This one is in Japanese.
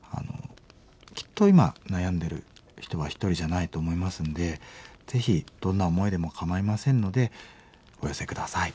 きっと今悩んでる人は一人じゃないと思いますんでぜひどんな思いでもかまいませんのでお寄せ下さい。